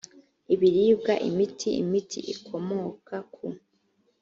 ibiribwa imiti imiti ikomoka ku